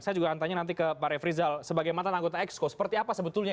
saya juga akan tanya nanti ke pak refrizal sebagai mantan anggota exco seperti apa sebetulnya